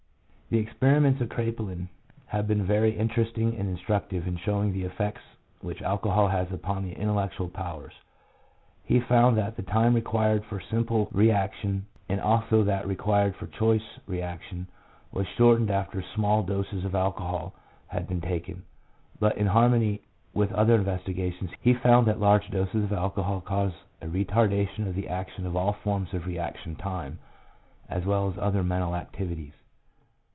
The experiments of Kraepelin have been very interesting and instructive, in showing the effects which alcohol has upon the intellectual powers. He found that the time required for simple reaction, 1 Der Alkoholismus. INTELLECT (NOT INCLUDING MEMORY). 95 and also that required for choice reaction, was shortened after small doses of alcohol had been taken ; but in harmony with other investigations, he found that large doses of alcohol cause a retarda tion of the action of all forms of reaction time as well as other mental activities.